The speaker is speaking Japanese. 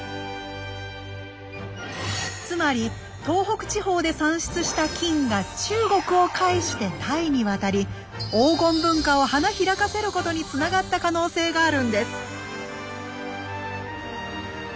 つまり東北地方で産出した金が中国を介してタイに渡り黄金文化を花開かせることにつながった可能性があるんです。